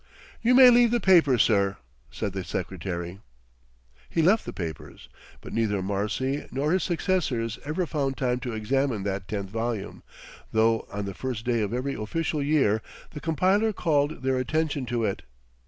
"You may leave the papers, sir," said the secretary. He left the papers; but neither Marcy nor his successors ever found time to examine that tenth volume, though on the first day of every official year the compiler called their attention to it.